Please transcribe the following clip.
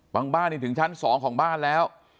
บ้านถึงชั้น๒ของบ้านแล้ว